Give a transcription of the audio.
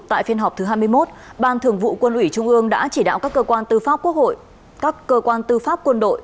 tại phiên họp thứ hai mươi một ban thường vụ quân ủy trung ương đã chỉ đạo các cơ quan tư pháp quân đội